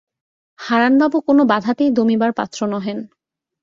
হারানবাবু কোনো বাধাতেই দমিবার পাত্র নহেন।